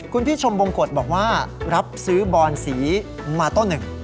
คุณพี่ชมบงกฎบอกว่ารับซื้อบอนสีมาต้นหนึ่ง